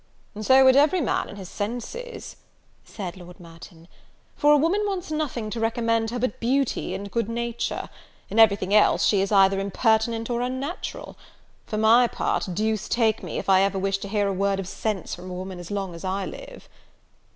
"So would every man in his senses," said Lord Merton, "for a woman wants nothing to recommend her but beauty and good nature; in everything else she is either impertinent or unnatural. For my part, deuce take me if ever I wish to hear a word of sense from a woman as long as I live!"